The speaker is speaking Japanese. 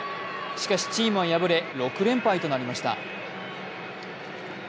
しかし、チームは破れ６連敗となりました。